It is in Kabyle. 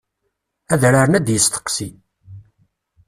Adrar-nni ad d-yesteqsi.